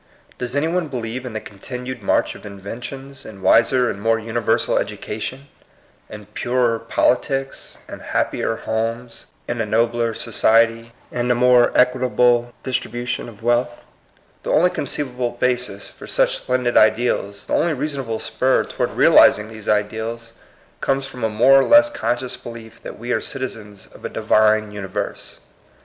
Does any one believe in the continued march of inventions, in wiser and more universal education, in purer politics, in happier homes, in a nobler society, in a more equitable distribution of wealth? The only conceivable basis for such splen did ideals, the only reasonable spur toward realizing these ideals, comes from a more or less conscious belief that we are citi zens of a Divine universe.